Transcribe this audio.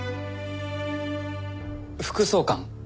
副総監？